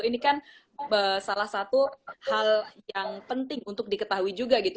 ini kan salah satu hal yang penting untuk diketahui juga gitu